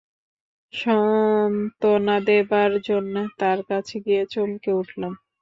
সত্ত্বনা দেবার জন্যে তার কাছে গিয়ে চমকে উঠলাম।